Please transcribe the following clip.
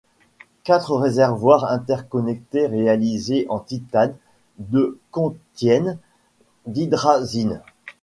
Quatre réservoirs interconnectés réalisés en titane de contiennent d'hydrazine.